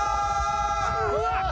うわっ。